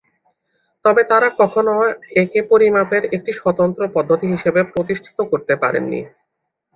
তবে তাঁরা কখনও একে পরিমাপের একটি স্বতন্ত্র পদ্ধতি হিসেবে প্রতিষ্ঠিত করতে পারেননি।